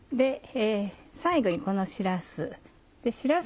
最後にこのしらす。